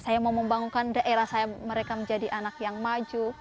saya mau membangunkan daerah saya mereka menjadi anak yang maju